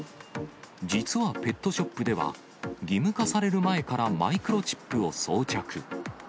実はペットショップでは、義務化される前からマイクロチップを装着。